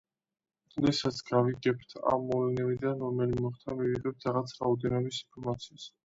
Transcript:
როდესაც გავიგებთ ამ მოვლენებიდან რომელი მოხდა მივიღებთ რაღაც რაოდენობის ინფორმაციას.